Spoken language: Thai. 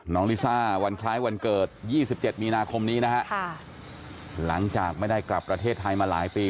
ลิซ่าวันคล้ายวันเกิด๒๗มีนาคมนี้นะฮะหลังจากไม่ได้กลับประเทศไทยมาหลายปี